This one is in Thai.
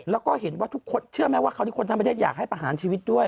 แล้วก็เห็นว่าทุกคนเชื่อไหมว่าเขาที่คนทั้งประเทศอยากให้ประหารชีวิตด้วย